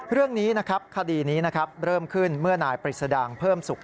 เรื่องนี้นะครับคดีนี้นะครับเริ่มขึ้นเมื่อนายปริศดางเพิ่มสุข